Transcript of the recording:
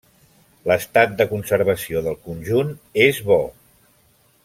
L'estat de conservació del conjunt és bo.